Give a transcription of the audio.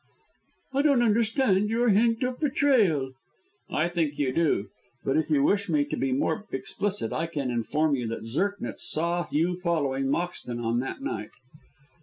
"I don't understand your hint of betrayal." "I think you do. But if you wish me to be more explicit, I can inform you that Zirknitz saw you following Moxton on that night."